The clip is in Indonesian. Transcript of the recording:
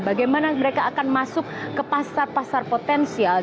bagaimana mereka akan masuk ke pasar pasar potensial